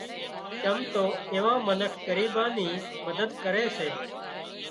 چم تو ايوان منک ڳريٻان نِي مدد ڪري سي